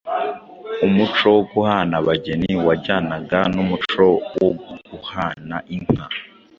Umuco wo guhana abageni wajyanaga no guhana inka.